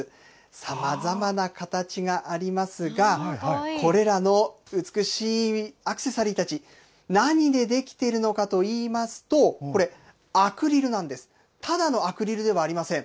さまざまな形がありますが、これらの美しいアクセサリーたち、何で出来ているのかといいますと、これ、アクリルなんです。ただのアクリルではありません。